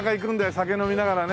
酒飲みながらね。